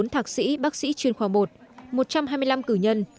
một trăm một mươi bốn thạc sĩ bác sĩ chuyên khoa một một trăm hai mươi năm cử nhân